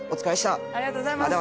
ありがとうございます